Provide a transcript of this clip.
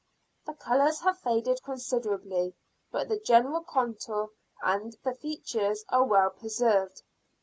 The colors have faded considerably, but the general contour and the features are well preserved.